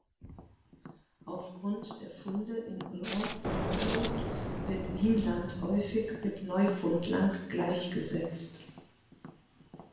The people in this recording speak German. Aufgrund der Funde in L’Anse aux Meadows wird Vinland häufig mit Neufundland gleichgesetzt.